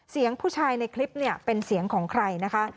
เสียงผู้ชายในคลิปเนี่ยเป็นเสียงของใครนะคะ